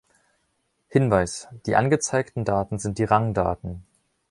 Hinweis - Die angezeigten Daten sind die Rangdaten.